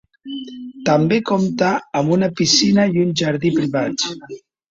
També compta amb una piscina i un jardí privats.